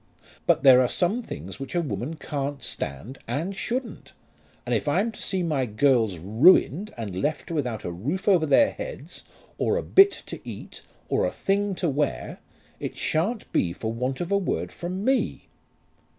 But there are some things which a woman can't stand and shouldn't; and if I'm to see my girls ruined and left without a roof over their heads, or a bit to eat, or a thing to wear, it shan't be for want of a word from me."